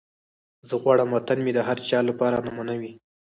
زه غواړم وطن مې د هر چا لپاره نمونه وي.